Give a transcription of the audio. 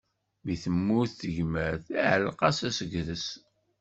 Mi temmut tegmert, iɛalleq-as asegres.